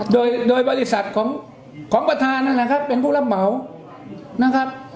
โดยโดยบริษัทของประธานนั่นแหละครับเป็นผู้รับเหมานะครับ